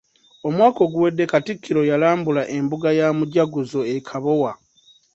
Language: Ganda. Omwaka oguwedde Katikkiro yalambula embuga ya Mujaguzo e Kabowa.